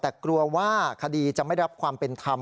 แต่กลัวว่าคดีจะไม่รับความเป็นธรรม